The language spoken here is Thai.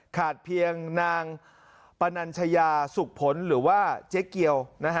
เพียงนางปนัญชยาสุขผลหรือว่าเจ๊เกียว